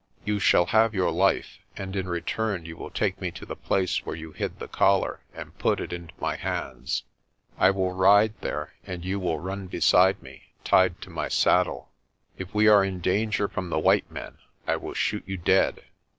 You shall have your life, and in return you will take me to the place where you hid the collar and put it into my hands. I will ride there and you will run beside me, tied to my saddle. If we are in danger from the white men, I will shoot you dead.